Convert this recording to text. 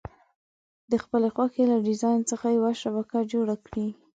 د خپلې خوښې له ډیزاین څخه یوه شبکه جوړه کړئ.